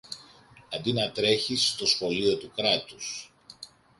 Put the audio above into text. Αντί να τρέχεις στο Σχολείο του Κράτους